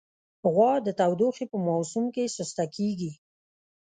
غوا د تودوخې په موسم کې سسته کېږي.